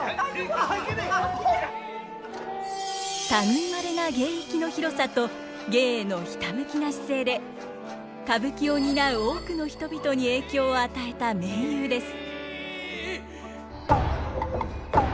類いまれな芸域の広さと芸へのひたむきな姿勢で歌舞伎を担う多くの人々に影響を与えた名優です。